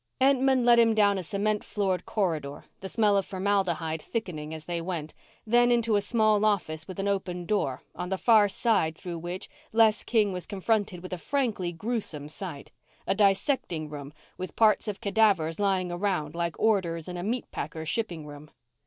Entman led him down a cement floored corridor, the smell of formaldehyde thickening as they went, then into a small office with an open door, on the far side through which Les King was confronted with a frankly gruesome sight a dissecting room with parts of cadavers lying around like orders in a meat packer's shipping room.